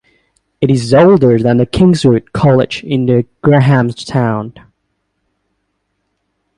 It is older than Kingswood College in Grahamstown.